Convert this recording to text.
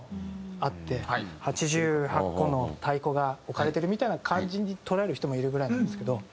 ８８個の太鼓が置かれてるみたいな感じに捉える人もいるぐらいなんですけど。